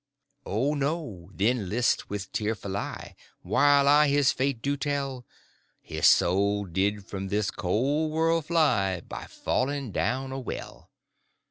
O no. Then list with tearful eye, Whilst I his fate do tell. His soul did from this cold world fly By falling down a well.